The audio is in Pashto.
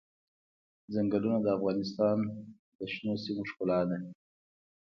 چنګلونه د افغانستان د شنو سیمو ښکلا ده.